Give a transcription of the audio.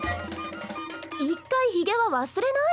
一回ヒゲは忘れない？